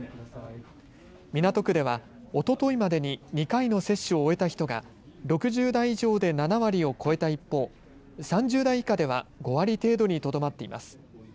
港区では、おとといまでに２回の接種を終えた人が６０代以上で７割を超えた一方、３０代以下では５割程度にとどまっています。